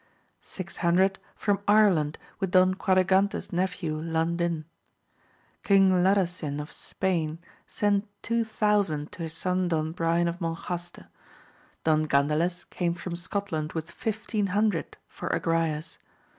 Six hundred from Ireland with Don Quadragante's nephew Landin. King Lada sin of Spain sent two thousand to his son Don Brian of Monjaste. Don Gandales came from Scotland with fifteen hundred for Agrayes.